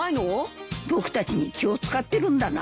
僕たちに気を使ってるんだな。